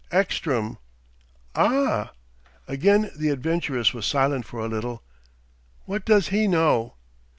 "Ekstrom." "Ah!" Again the adventuress was silent for a little. "What does he know?"